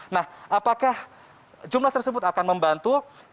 nah apakah jumlah tersebut akan membantu